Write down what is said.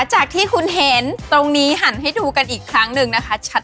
จากที่คุณเห็นตรงนี้หันให้ดูกันอีกครั้งหนึ่งนะคะชัด